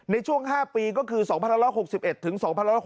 ในช่วง๕ปีก็คือ๒๑๖๑ถึง๒๖๖